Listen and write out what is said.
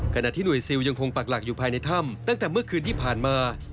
ขณะที่หน่วยซิลยังคงปักหลักอยู่ภายในถ้ำตั้งแต่เมื่อคืนที่ผ่านมา